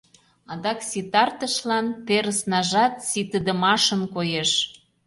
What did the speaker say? Адак ситартышлан, терыснажат ситыдымашын коеш.